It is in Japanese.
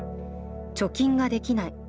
貯金ができない。